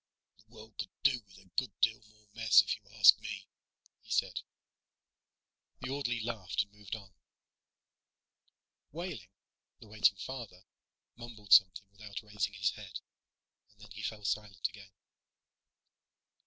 "The world could do with a good deal more mess, if you ask me," he said. The orderly laughed and moved on. Wehling, the waiting father, mumbled something without raising his head. And then he fell silent again.